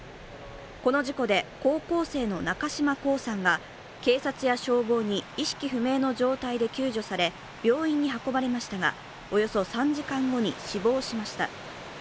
この事故で高校生の中島孝さんが警察や消防に意識不明の状態で救助され、病院に運ばれましたが、およそ３時間後に死亡しました。